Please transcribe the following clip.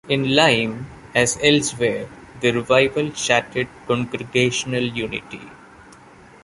In Lyme, as elsewhere, the revival shattered congregational unity.